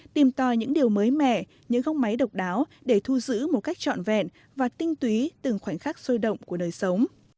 tìm tòi những điều mới mẻ những góc máy độc đáo để thu giữ một cách trọn vẹn và tinh túy từng khoảnh khắc sôi động của đời sống